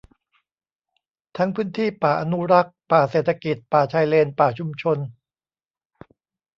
ทั้งพื้นที่ป่าอนุรักษ์ ป่าเศรษฐกิจ ป่าชายเลน ป่าชุมชน